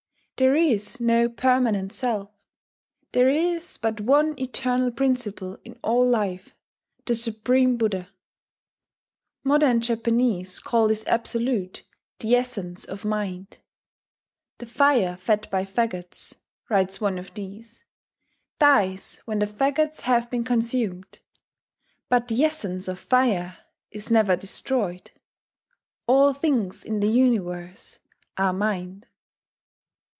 There is no permanent self: there is but one eternal principle in all life, the supreme Buddha. Modern Japanese call this Absolute the "Essence of Mind." "The fire fed by faggots," writes one of these, "dies when the faggots have been consumed; but the essence of fire is never destroyed.... All things in the Universe are Mind."